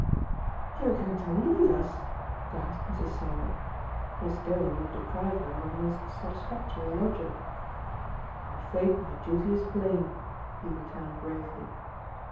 "You are going to leave us?" gasped Mrs. Sauer. His going would deprive her of a most satisfactory lodger. "I'm afraid my duty is plain," he returned gravely.